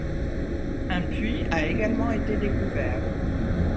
Un puits a également été découvert.